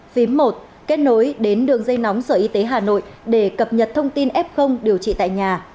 phí một kết nối đến đường dây nóng sở y tế hà nội để cập nhật thông tin f điều trị tại nhà